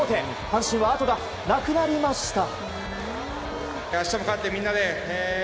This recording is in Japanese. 阪神は後がなくなりました。